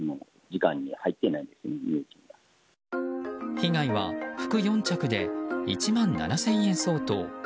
被害は服４着で１万７０００円相当。